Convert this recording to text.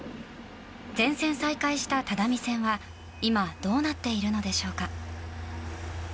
全線再開した只見線は、今どうなっているのでしょうか。